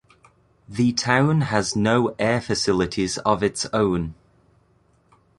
The town has no air facilities of its own.